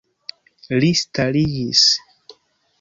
Li stariĝis.